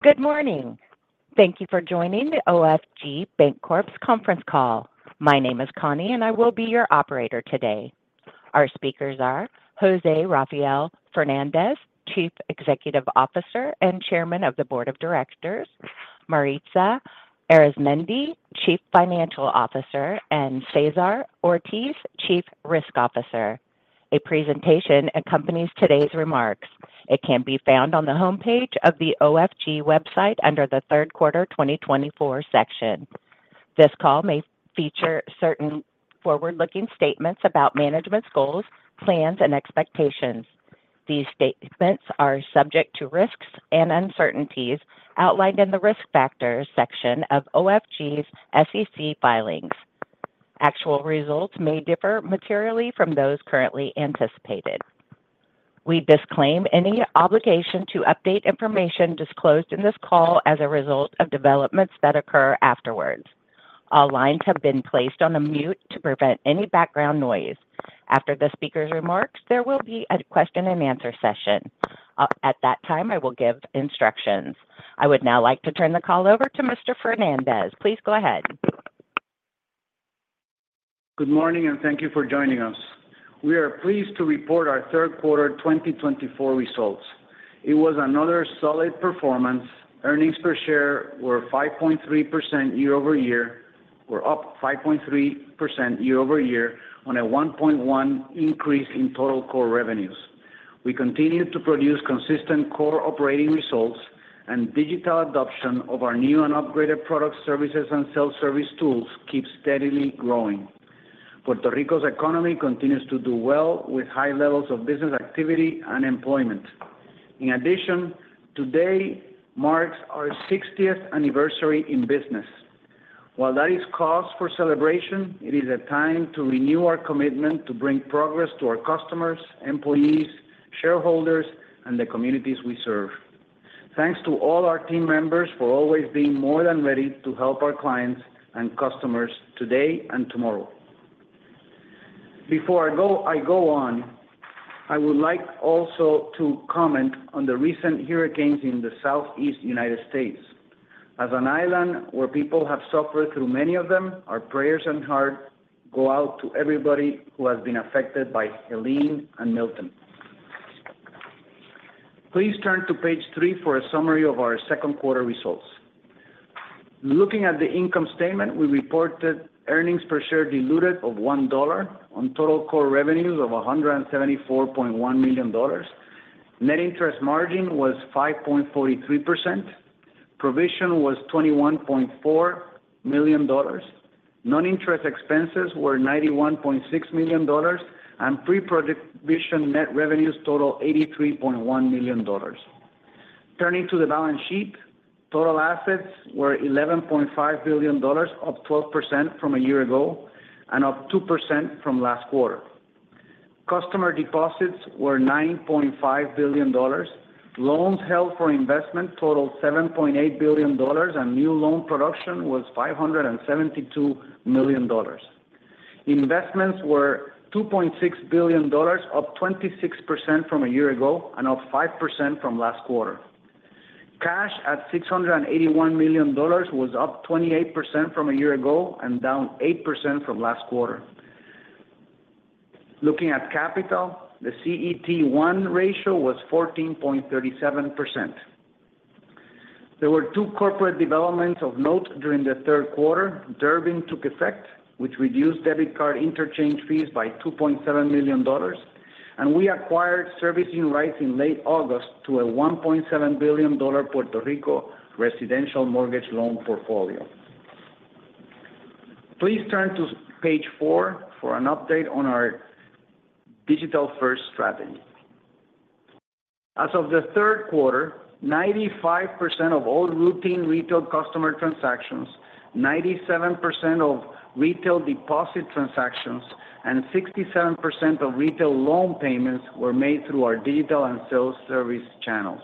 Good morning. Thank you for joining the OFG Bancorp's conference call. My name is Connie, and I will be your operator today. Our speakers are José Rafael Fernández, Chief Executive Officer and Chairman of the Board of Directors, Maritza Arizmendi, Chief Financial Officer, and César Ortiz, Chief Risk Officer. A presentation accompanies today's remarks. It can be found on the homepage of the OFG website under the third quarter twenty twenty-four section. This call may feature certain forward-looking statements about management's goals, plans, and expectations. These statements are subject to risks and uncertainties outlined in the Risk Factors section of OFG's SEC filings. Actual results may differ materially from those currently anticipated. We disclaim any obligation to update information disclosed in this call as a result of developments that occur afterwards. All lines have been placed on mute to prevent any background noise. After the speaker's remarks, there will be a question-and-answer session. At that time, I will give instructions. I would now like to turn the call over to Mr. Fernández. Please go ahead. Good morning, and thank you for joining us. We are pleased to report our third quarter 2024 results. It was another solid performance. Earnings per share were up 5.3% year over year on a 1.1% increase in total core revenues. We continue to produce consistent core operating results, and digital adoption of our new and upgraded product services and self-service tools keep steadily growing. Puerto Rico's economy continues to do well, with high levels of business activity and employment. In addition, today marks our 60th anniversary in business. While that is cause for celebration, it is a time to renew our commitment to bring progress to our customers, employees, shareholders, and the communities we serve. Thanks to all our team members for always being more than ready to help our clients and customers today and tomorrow. Before I go on, I would like also to comment on the recent hurricanes in the Southeast United States. As an island where people have suffered through many of them, our prayers and heart go out to everybody who has been affected by Helene and Milton. Please turn to page three for a summary of our second quarter results. Looking at the income statement, we reported earnings per share diluted of $1 on total core revenues of $134.1 million. Net interest margin was 5.43%, provision was $21.4 million, non-interest expenses were $91.6 million, and pre-provision net revenues total $83.1 million. Turning to the balance sheet, total assets were $11.5 billion, up 12% from a year ago and up 2% from last quarter. Customer deposits were $9.5 billion. Loans held for investment totaled $7.8 billion, and new loan production was $572 million. Investments were $2.6 billion, up 26% from a year ago and up 5% from last quarter. Cash at $681 million was up 28% from a year ago and down 8% from last quarter. Looking at capital, the CET1 ratio was 14.37%. There were two corporate developments of note during the third quarter. Durbin took effect, which reduced debit card interchange fees by $2.7 million, and we acquired servicing rights in late August to a $1.7 billion Puerto Rico residential mortgage loan portfolio. Please turn to page four for an update on our digital-first strategy. As of the third quarter, 95% of all routine retail customer transactions, 97% of retail deposit transactions, and 67% of retail loan payments were made through our digital and self-service channels.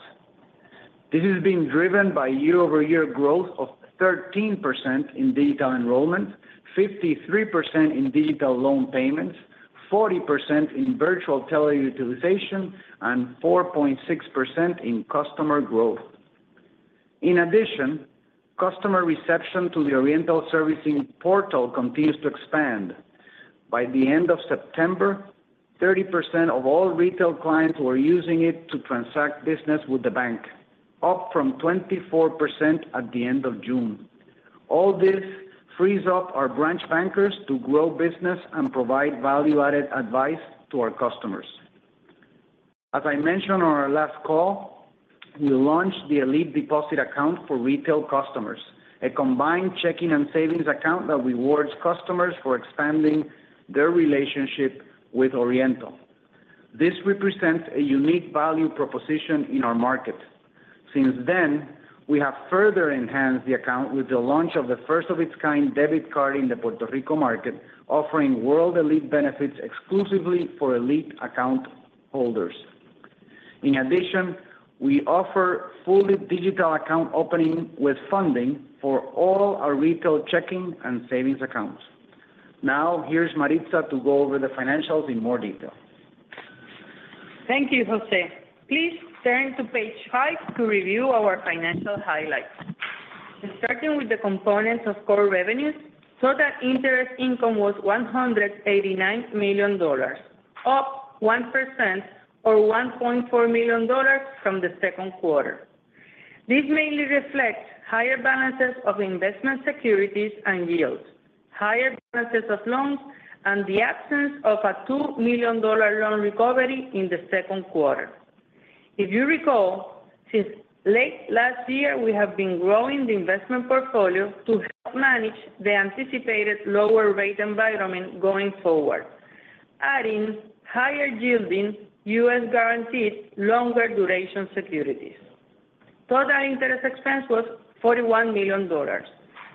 This has been driven by year-over-year growth of 13% in digital enrollment, 53% in digital loan payments, 40% in virtual teller utilization, and 4.6% in customer growth. In addition, customer reception to the Oriental Servicing Portal continues to expand. By the end of September, 30% of all retail clients were using it to transact business with the bank, up from 24% at the end of June. All this frees up our branch bankers to grow business and provide value-added advice to our customers. As I mentioned on our last call, we launched the Elite Deposit Account for retail customers, a combined checking and savings account that rewards customers for expanding their relationship with Oriental. This represents a unique value proposition in our market. Since then, we have further enhanced the account with the launch of the first-of-its-kind debit card in the Puerto Rico market, offering World Elite benefits exclusively for Elite account holders. In addition, we offer fully digital account opening with funding for all our retail checking and savings accounts. Now, here's Maritza to go over the financials in more detail.... Thank you, José. Please turn to page five to review our financial highlights. Starting with the components of core revenues, total interest income was $189 million, up 1% or $1.4 million from the second quarter. This mainly reflects higher balances of investment securities and yields, higher balances of loans, and the absence of a $2 million loan recovery in the second quarter. If you recall, since late last year, we have been growing the investment portfolio to help manage the anticipated lower rate environment going forward, adding higher-yielding U.S.-guaranteed longer-duration securities. Total interest expense was $41 million,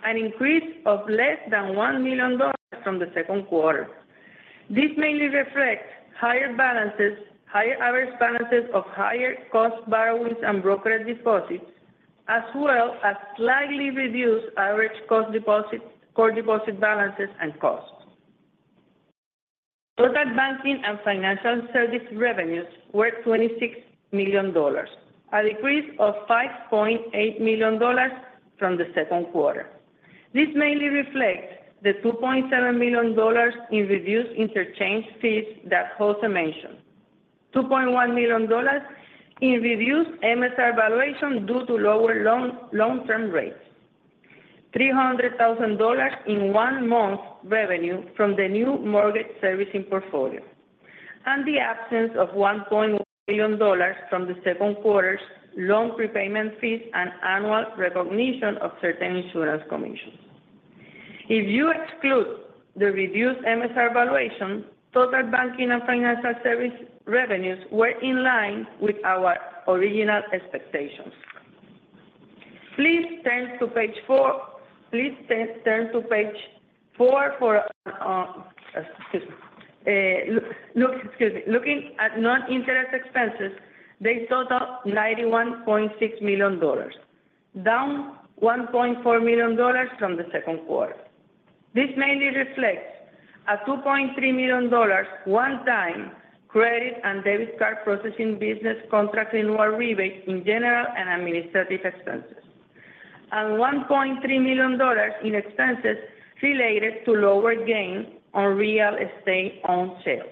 an increase of less than $1 million from the second quarter. This mainly reflects higher balances, higher average balances of higher cost borrowings and brokerage deposits, as well as slightly reduced average cost deposits, core deposit balances, and costs. Total banking and financial service revenues were $26 million, a decrease of $5.8 million from the second quarter. This mainly reflects the $2.7 million in reduced interchange fees that José mentioned, $2.1 million in reduced MSR valuation due to lower long-term rates, $300,000 in one-month revenue from the new mortgage servicing portfolio, and the absence of $1.1 million from the second quarter's loan prepayment fees and annual recognition of certain insurance commissions. If you exclude the reduced MSR valuation, total banking and financial service revenues were in line with our original expectations. Please turn to page four. Looking at non-interest expenses, they total $91.6 million, down $1.4 million from the second quarter. This mainly reflects a $2.3 million one-time credit and debit card processing business contract annual rebate in general and administrative expenses, and $1.3 million in expenses related to lower gains on real estate owned sales.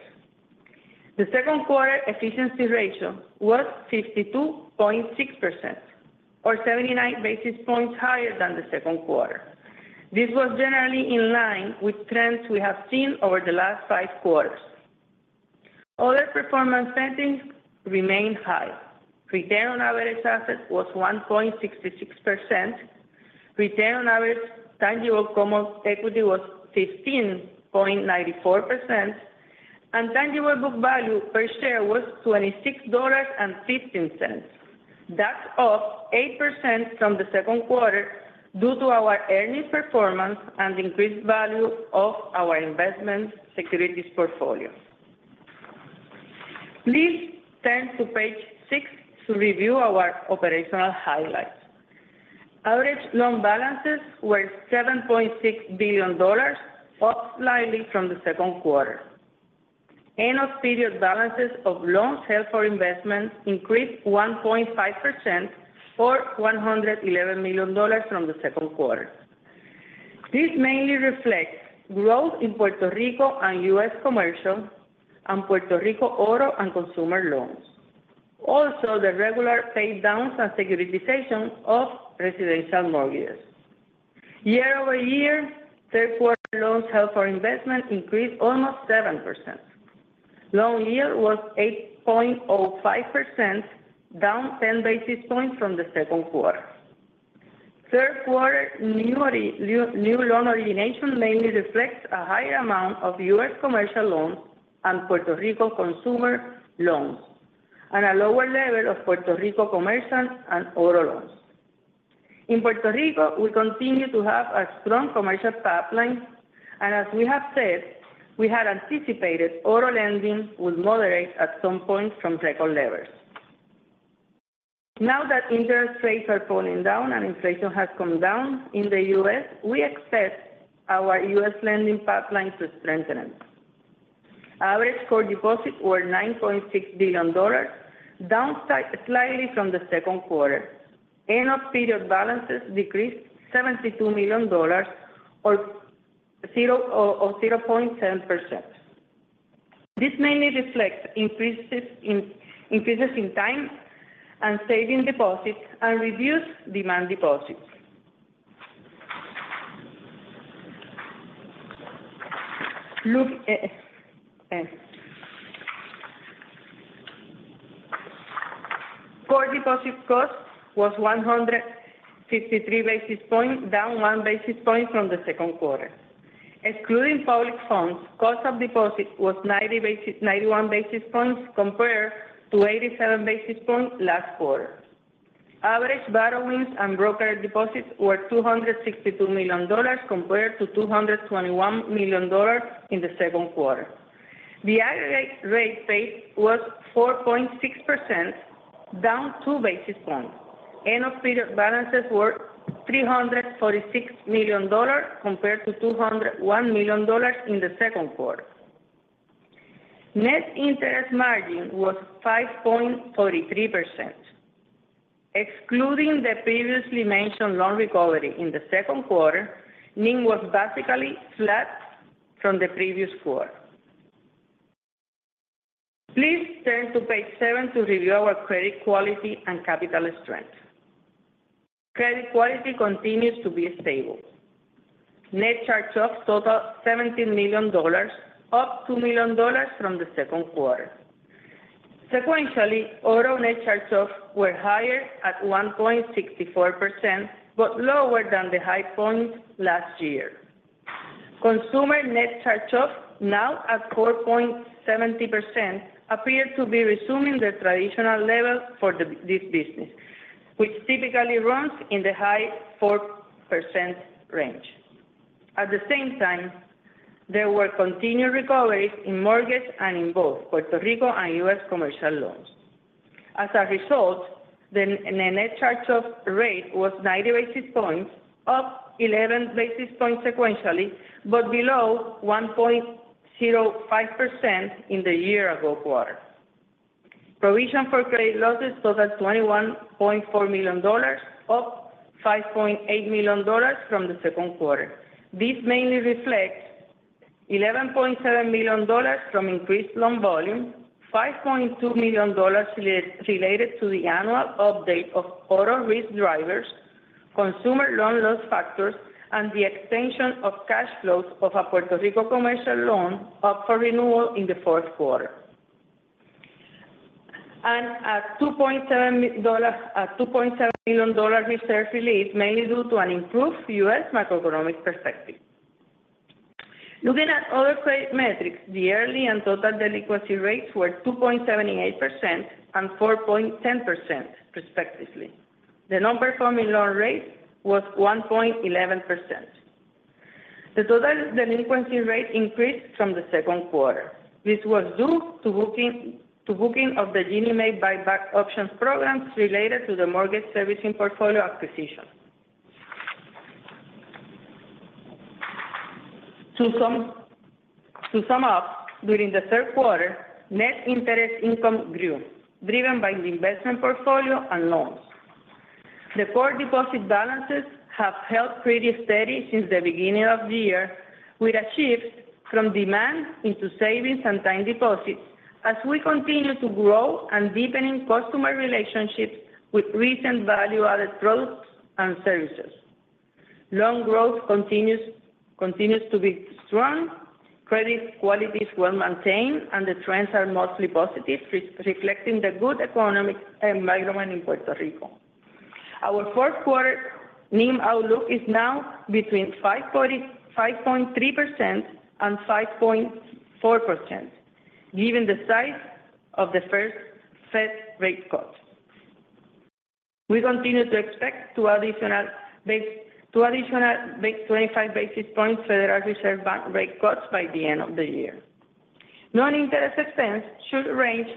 The second quarter efficiency ratio was 52.6% or 79 basis points higher than the second quarter. This was generally in line with trends we have seen over the last five quarters. Other performance metrics remained high. Return on average assets was 1.66%. Return on average tangible common equity was 15.94%, and tangible book value per share was $26.15. That's up 8% from the second quarter due to our earnings performance and increased value of our investment securities portfolio. Please turn to page six to review our operational highlights. Average loan balances were $7.6 billion, up slightly from the second quarter. End of period balances of loans held for investment increased 1.5% or $111 million from the second quarter. This mainly reflects growth in Puerto Rico and U.S. commercial and Puerto Rico auto and consumer loans. Also, the regular paydowns and securitization of residential mortgages. Year over year, third quarter loans held for investment increased almost 7%. Loan yield was 8.05%, down 10 basis points from the second quarter. Third quarter new loan origination mainly reflects a higher amount of U.S. commercial loans and Puerto Rico consumer loans, and a lower level of Puerto Rico commercial and auto loans. In Puerto Rico, we continue to have a strong commercial pipeline, and as we have said, we had anticipated auto lending would moderate at some point from record levels. Now that interest rates are falling down and inflation has come down in the U.S., we expect our U.S. lending pipeline to strengthen. Average core deposits were $9.6 billion, down slightly from the second quarter. End of period balances decreased $72 million or 0.7%. This mainly reflects increases in time and savings deposits and reduced demand deposits. Core deposit cost was 153 basis points, down 1 basis point from the second quarter. Excluding public funds, cost of deposits was 91 basis points, compared to 87 basis points last quarter. Average borrowings and brokerage deposits were $262 million compared to $221 million in the second quarter. The aggregate rate paid was 4.6%, down two basis points. End-of-period balances were $346 million, compared to $201 million in the second quarter. Net interest margin was 5.43%. Excluding the previously mentioned loan recovery in the second quarter, NIM was basically flat from the previous quarter. Please turn to page seven to review our credit quality and capital strength. Credit quality continues to be stable. Net charge-offs total $17 million, up $2 million from the second quarter. Sequentially, auto net charge-offs were higher at 1.64%, but lower than the high point last year. Consumer net charge-off, now at 4.70%, appear to be resuming the traditional level for this business, which typically runs in the high 4% range. At the same time, there were continued recoveries in mortgage and in both Puerto Rico and U.S. commercial loans. As a result, the net charge-off rate was 90 basis points, up 11 basis points sequentially, but below 1.05% in the year ago quarter. Provision for credit losses totaled $21.4 million, up $5.8 million from the second quarter. This mainly reflects $11.7 million from increased loan volume, $5.2 million related to the annual update of auto risk drivers, consumer loan loss factors, and the extension of cash flows of a Puerto Rico commercial loan up for renewal in the fourth quarter. A $2.7 million reserve relief, mainly due to an improved U.S. macroeconomic perspective. Looking at other credit metrics, the early and total delinquency rates were 2.78% and 4.10% respectively. The non-performing loan rate was 1.11%. The total delinquency rate increased from the second quarter. This was due to booking of the Ginnie Mae buyback options programs related to the mortgage servicing portfolio acquisition. To sum up, during the third quarter, net interest income grew, driven by the investment portfolio and loans. Deposit balances have held pretty steady since the beginning of the year, with a shift from demand into savings and time deposits, as we continue to grow and deepen customer relationships with recent value-added products and services. Loan growth continues to be strong, credit quality is well-maintained, and the trends are mostly positive, reflecting the good economic environment in Puerto Rico. Our fourth quarter NIM outlook is now between 5.3% and 5.4%, given the size of the first Fed rate cut. We continue to expect two additional 25 basis points Federal Reserve Bank rate cuts by the end of the year. Non-interest expense should range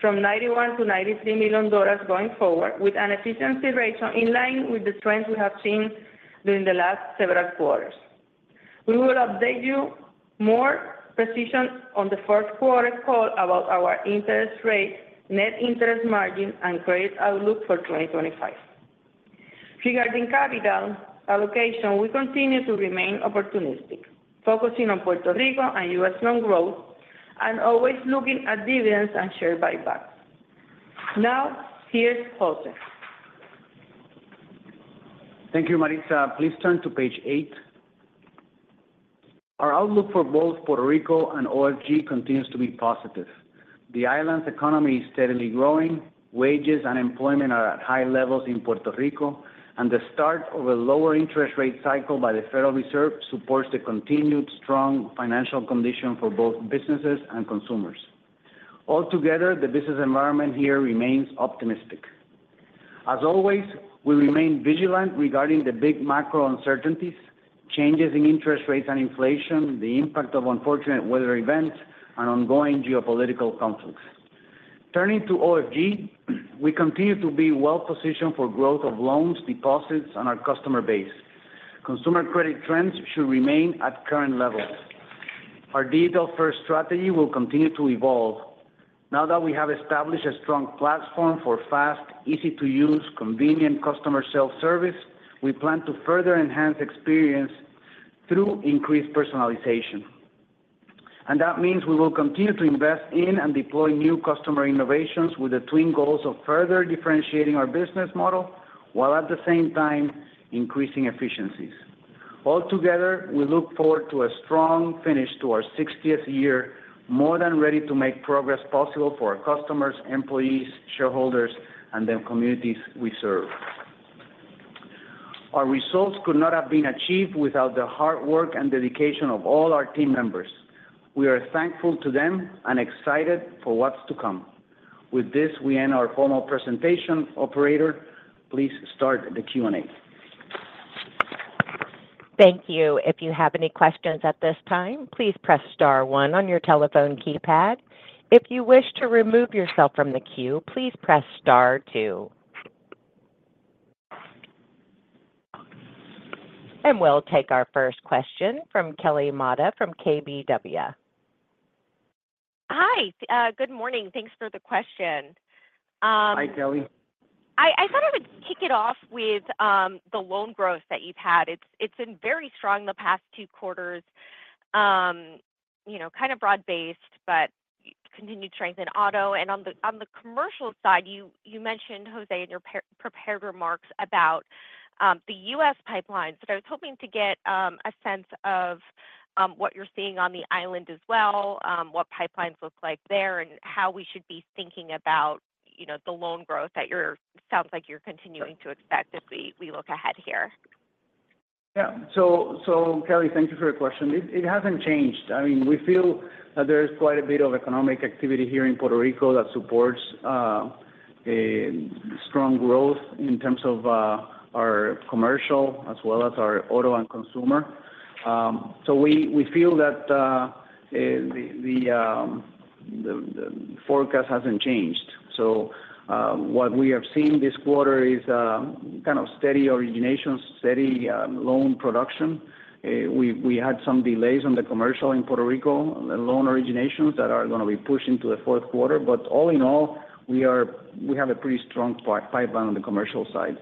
from $91 million-$93 million going forward, with an efficiency ratio in line with the trends we have seen during the last several quarters. We will update you with more precision on the fourth quarter call about our interest rate, net interest margin, and credit outlook for 2025. Regarding capital allocation, we continue to remain opportunistic, focusing on Puerto Rico and U.S. loan growth, and always looking at dividends and share buybacks. Now, here's José. Thank you, Maritza. Please turn to page eight. Our outlook for both Puerto Rico and OFG continues to be positive. The island's economy is steadily growing, wages and employment are at high levels in Puerto Rico, and the start of a lower interest rate cycle by the Federal Reserve supports the continued strong financial condition for both businesses and consumers. Altogether, the business environment here remains optimistic. As always, we remain vigilant regarding the big macro uncertainties, changes in interest rates and inflation, the impact of unfortunate weather events, and ongoing geopolitical conflicts. Turning to OFG, we continue to be well-positioned for growth of loans, deposits, and our customer base. Consumer credit trends should remain at current levels. Our digital-first strategy will continue to evolve. Now that we have established a strong platform for fast, easy-to-use, convenient customer self-service, we plan to further enhance experience through increased personalization. And that means we will continue to invest in and deploy new customer innovations with the twin goals of further differentiating our business model, while at the same time, increasing efficiencies. Altogether, we look forward to a strong finish to our 60th year, more than ready to make progress possible for our customers, employees, shareholders, and the communities we serve. Our results could not have been achieved without the hard work and dedication of all our team members. We are thankful to them and excited for what's to come. With this, we end our formal presentation. Operator, please start the Q&A.... Thank you. If you have any questions at this time, please press star one on your telephone keypad. If you wish to remove yourself from the queue, please press star two. And we'll take our first question from Kelly Motta from KBW. Hi, good morning. Thanks for the question. Hi, Kelly. I thought I would kick it off with the loan growth that you've had. It's been very strong the past 2 quarters. You know, kind of broad-based, but continued strength in auto. And on the commercial side, you mentioned, José, in your pre-prepared remarks about the U.S. pipelines. So I was hoping to get a sense of what you're seeing on the island as well, what pipelines look like there, and how we should be thinking about, you know, the loan growth that you're—sounds like you're continuing to expect as we look ahead here. Yeah. So, Kelly, thank you for your question. It hasn't changed. I mean, we feel that there is quite a bit of economic activity here in Puerto Rico that supports a strong growth in terms of our commercial as well as our auto and consumer. We feel that the forecast hasn't changed. So, what we have seen this quarter is kind of steady origination, steady loan production. We had some delays on the commercial in Puerto Rico, the loan originations that are gonna be pushed into the fourth quarter. But all in all, we have a pretty strong pipeline on the commercial side.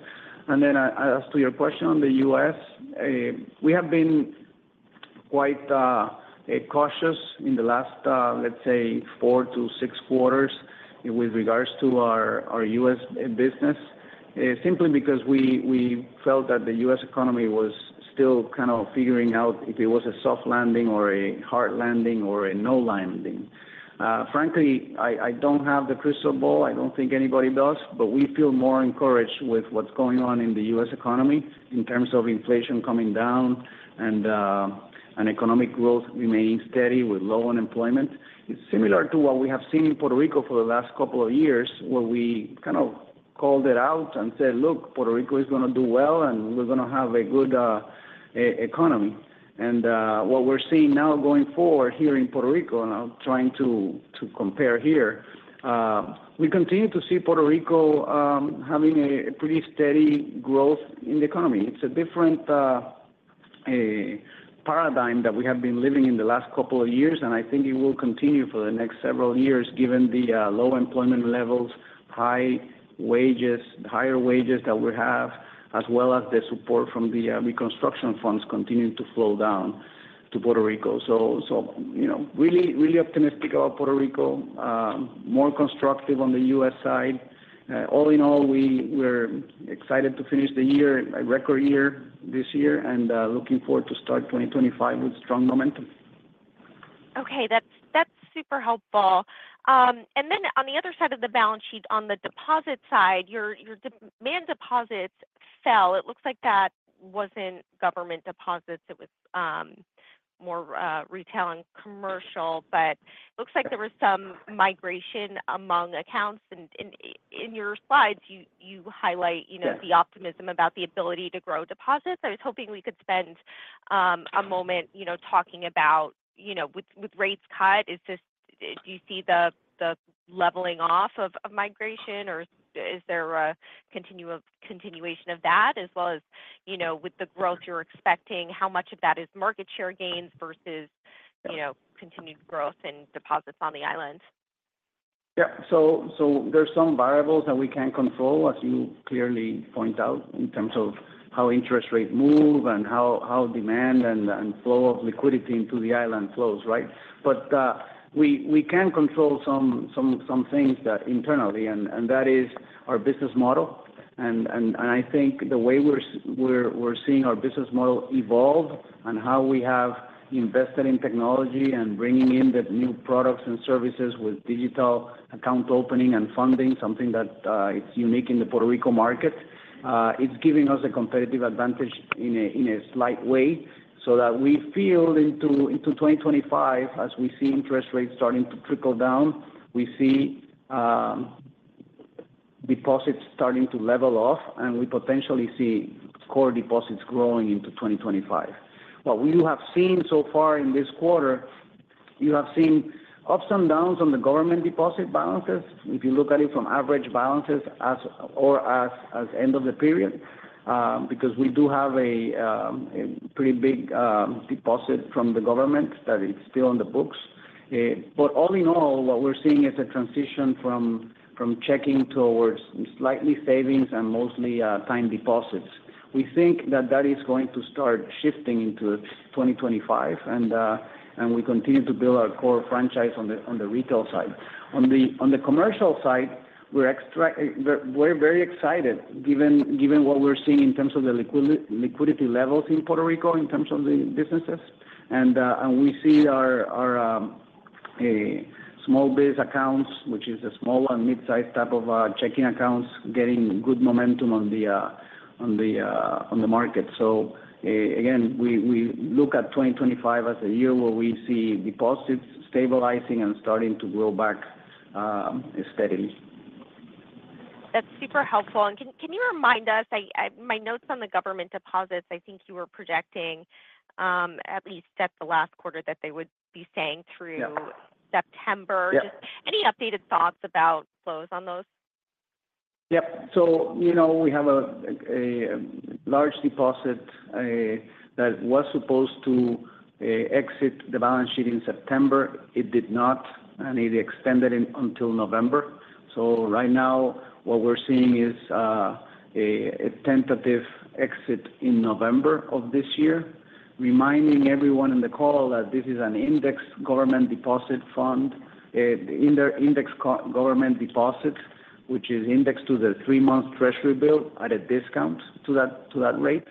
And then, as to your question on the U.S., we have been quite cautious in the last, let's say, four to six quarters with regards to our U.S. business. Simply because we felt that the U.S. economy was still kind of figuring out if it was a soft landing or a hard landing or a no landing. Frankly, I don't have the crystal ball. I don't think anybody does, but we feel more encouraged with what's going on in the U.S. economy in terms of inflation coming down and economic growth remaining steady with low unemployment. It's similar to what we have seen in Puerto Rico for the last couple of years, where we kind of called it out and said, "Look, Puerto Rico is gonna do well, and we're gonna have a good economy." And what we're seeing now going forward here in Puerto Rico, and I'm trying to compare here, we continue to see Puerto Rico having a pretty steady growth in the economy. It's a different paradigm that we have been living in the last couple of years, and I think it will continue for the next several years, given the low employment levels, high wages, higher wages that we have, as well as the support from the construction funds continuing to flow down to Puerto Rico. You know, really, really optimistic about Puerto Rico, more constructive on the U.S. side. All in all, we're excited to finish the year, a record year this year, and looking forward to start 2025 with strong momentum. Okay, that's, that's super helpful. And then on the other side of the balance sheet, on the deposit side, your demand deposits fell. It looks like that wasn't government deposits, it was more retail and commercial. But looks like there was some migration among accounts, and in your slides, you highlight, you know- Yeah... the optimism about the ability to grow deposits. I was hoping we could spend a moment, you know, talking about, you know, with rates cut, is this-- do you see the leveling off of migration, or is there a continuation of that? As well as, you know, with the growth you're expecting, how much of that is market share gains versus- Yeah... you know, continued growth in deposits on the island? Yeah. So there's some variables that we can't control, as you clearly point out, in terms of how interest rates move and how demand and flow of liquidity into the island flows, right? But we can control some things that internally, and I think the way we're seeing our business model evolve and how we have invested in technology and bringing in the new products and services with digital account opening and funding, something that is unique in the Puerto Rico market, it's giving us a competitive advantage in a slight way, so that we feel into 2025, as we see interest rates starting to trickle down, we see deposits starting to level off, and we potentially see core deposits growing into 2025. What we have seen so far in this quarter, you have seen ups and downs on the government deposit balances. If you look at it from average balances or as end of the period, because we do have a pretty big deposit from the government that is still on the books. But all in all, what we're seeing is a transition from checking towards slightly savings and mostly time deposits. We think that that is going to start shifting into twenty 2025, and we continue to build our core franchise on the retail side. On the commercial side, we're very excited, given what we're seeing in terms of the liquidity levels in Puerto Rico, in terms of the businesses. We see our small base accounts, which is a small and mid-sized type of checking accounts, getting good momentum on the market. Again, we look at 2025 as a year where we see deposits stabilizing and starting to grow back steadily. ... That's super helpful. And can you remind us, my notes on the government deposits, I think you were projecting, at least at the last quarter, that they would be staying through- Yeah. -September. Yeah. Any updated thoughts about flows on those? Yep. So, you know, we have a large deposit that was supposed to exit the balance sheet in September. It did not, and it extended until November. So right now, what we're seeing is a tentative exit in November of this year. Reminding everyone in the call that this is an index government deposit fund, in the index government deposit, which is indexed to the three-month treasury bill at a discount to that rate.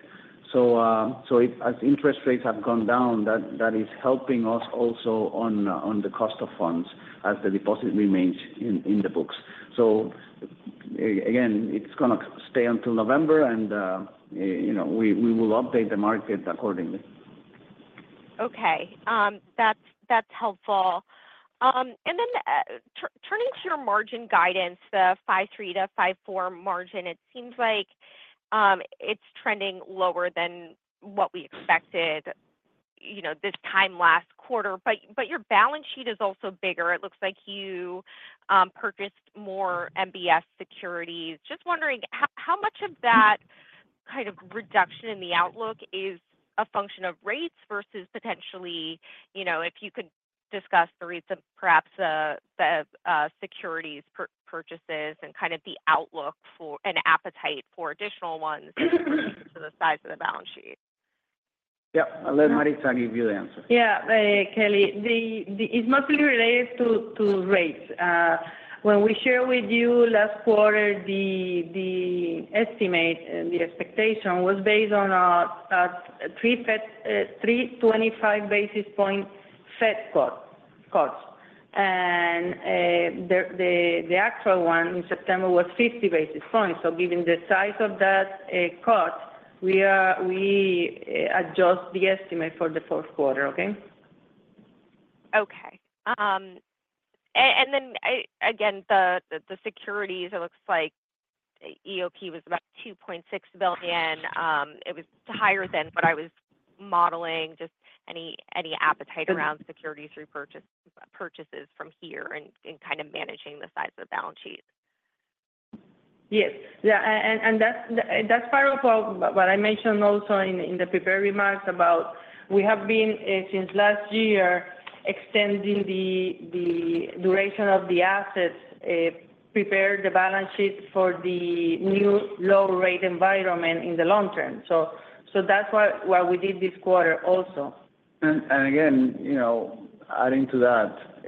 So, so it as interest rates have gone down, that is helping us also on the cost of funds as the deposit remains in the books. So again, it's gonna stay until November, and, you know, we will update the market accordingly. Okay. That's helpful, and then turning to your margin guidance, the 5.3%-5.4% margin, it seems like it's trending lower than what we expected, you know, this time last quarter, but your balance sheet is also bigger. It looks like you purchased more MBS securities. Just wondering, how much of that kind of reduction in the outlook is a function of rates versus potentially, you know, if you could discuss the reason, perhaps the securities purchases and kind of the outlook for and appetite for additional ones to the size of the balance sheet? Yeah. I'll let Maritza give you the answer. Yeah, Kelly, it's mostly related to rates. When we share with you last quarter, the estimate and the expectation was based on a three Fed three 2025 basis point Fed cuts. The actual one in September was fifty basis points. So given the size of that cut, we adjust the estimate for the fourth quarter. Okay? Okay. Then, again, the securities, it looks like EOP was about $2.6 billion. It was higher than what I was modeling. Just any appetite- Sure. around securities repurchase, purchases from here and kind of managing the size of the balance sheet? Yes. Yeah, and that's part of what I mentioned also in the prepared remarks about we have been since last year extending the duration of the assets, prepare the balance sheet for the new low-rate environment in the long term. So that's why we did this quarter also. Again, you know, adding to that,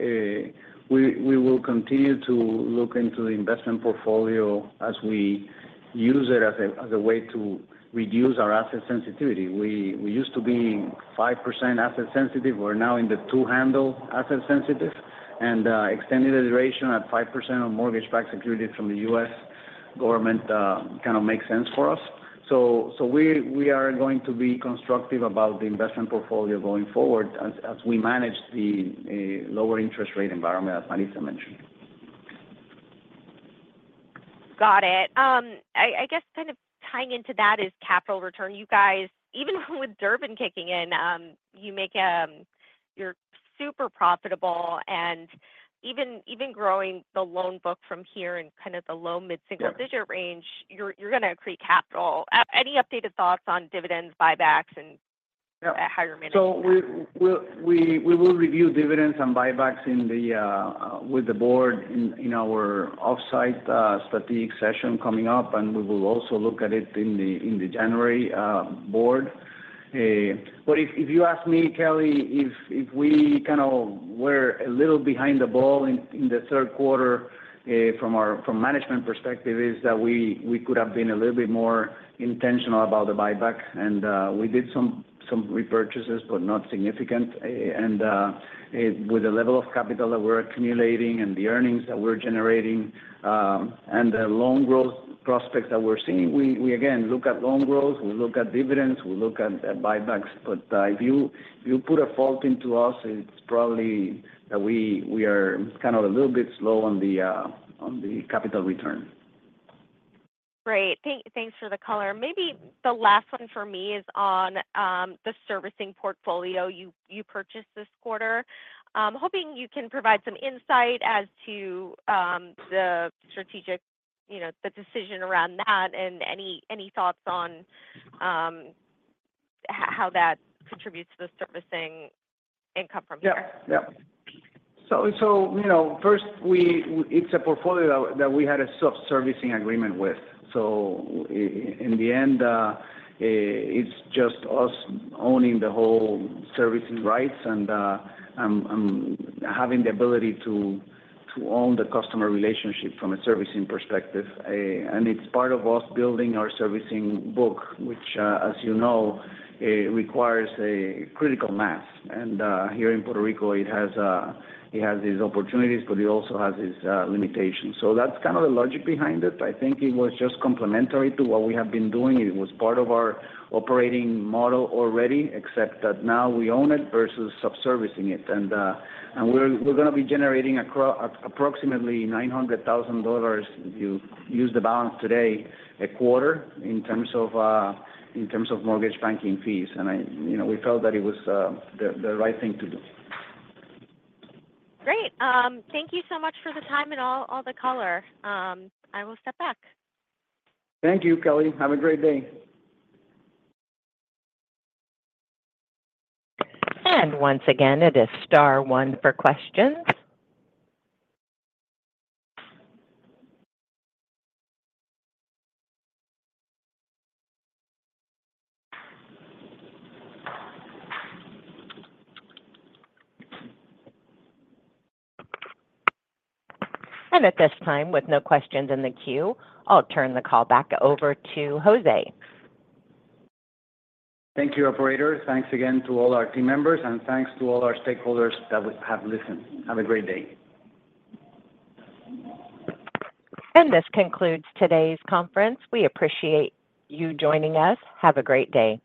we will continue to look into the investment portfolio as we use it as a way to reduce our asset sensitivity. We used to be 5% asset sensitive. We're now in the 2-handle asset sensitive and extending the duration at 5% on mortgage-backed securities from the U.S. government kind of makes sense for us. So we are going to be constructive about the investment portfolio going forward as we manage the lower interest rate environment, as Maritza mentioned. Got it. I guess kind of tying into that is capital return. You guys, even with Durbin kicking in, you make, you're super profitable, and even growing the loan book from here in kind of the low mid-single- Yeah -digit range, you're going to accrete capital. Any updated thoughts on dividends, buybacks, and- Yeah Higher management? So we will review dividends and buybacks with the board in our off-site strategic session coming up, and we will also look at it in the January board. But if you ask me, Kelly, if we kind of were a little behind the ball in the third quarter from our management perspective, is that we could have been a little bit more intentional about the buyback, and we did some repurchases, but not significant. And with the level of capital that we're accumulating and the earnings that we're generating, and the loan growth prospects that we're seeing, we again look at loan growth, we look at dividends, we look at buybacks. But, if you put a fault into us, it's probably that we are kind of a little bit slow on the capital return. Great. Thanks for the color. Maybe the last one for me is on the servicing portfolio you purchased this quarter. I'm hoping you can provide some insight as to the strategic, you know, the decision around that, and any thoughts on how that contributes to the servicing income from here? Yeah. So, you know, first, it's a portfolio that we had a sub-servicing agreement with. So in the end, it's just us owning the whole servicing rights and having the ability to own the customer relationship from a servicing perspective. And it's part of us building our servicing book, which, as you know, requires a critical mass. And here in Puerto Rico, it has these opportunities, but it also has its limitations. So that's kind of the logic behind it. I think it was just complementary to what we have been doing. It was part of our operating model already, except that now we own it versus sub-servicing it. We're gonna be generating approximately $900,000 if you use the balance today, a quarter, in terms of mortgage banking fees. You know, we felt that it was the right thing to do. Great. Thank you so much for the time and all the color. I will step back. Thank you, Kelly. Have a great day. And once again, it is star one for questions. And at this time, with no questions in the queue, I'll turn the call back over to José. Thank you, operator. Thanks again to all our team members, and thanks to all our stakeholders that have listened. Have a great day. And this concludes today's conference. We appreciate you joining us. Have a great day.